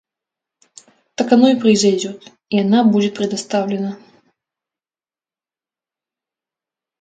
Так оно и произойдет, и она будет предоставлена.